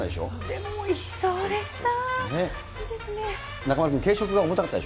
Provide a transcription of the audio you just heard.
でもおいしそうでした。